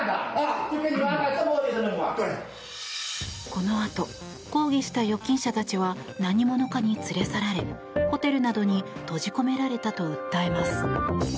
このあと抗議した預金者たちは何者かに連れ去られホテルなどに閉じ込められたと訴えます。